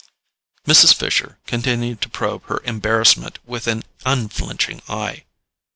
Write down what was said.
Mrs. Fisher continued to probe her embarrassment with an unflinching eye.